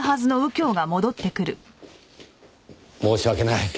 申し訳ない。